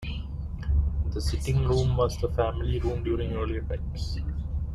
The Sitting Room was the family room during earlier times.